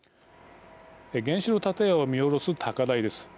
原子炉建屋を見下ろす高台です。